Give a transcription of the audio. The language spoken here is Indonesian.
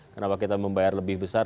kenapa kita membayar lebih besar